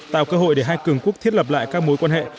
tạo cơ hội để hai cường quốc thiết lập lại các mối quan hệ